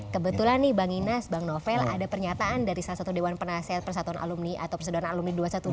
kebetulan nih bang inas bang novel ada pernyataan dari salah satu dewan penasihat persatuan alumni atau persaudaraan alumni dua ratus dua belas